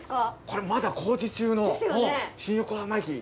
これまだ工事中の新横浜駅。